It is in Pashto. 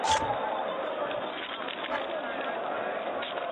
ډېر هوښیار وو د خپل کسب زورور وو.!